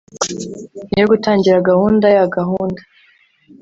yo gutangira gahunda ya gahunda